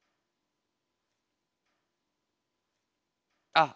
あっ！